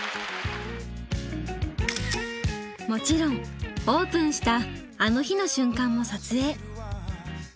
もちろんオープンした「あの日」の瞬間も撮影。